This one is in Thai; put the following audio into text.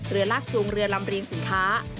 เรือลากจูงเรือลำเรียงสินค้า